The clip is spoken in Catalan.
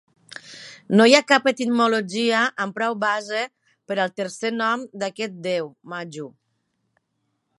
No hi ha cap etimologia amb prou base per al tercer nom d'aquest déu, Maju.